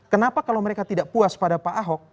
kenapa kalau mereka tidak puas pada pak ahok